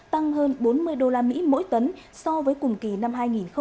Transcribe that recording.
tăng hơn bốn mươi usd mỗi tấn so với cùng kỳ năm hai nghìn hai mươi ba